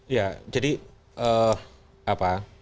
ya jadi apa